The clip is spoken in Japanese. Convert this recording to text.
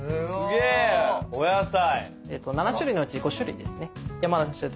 お野菜！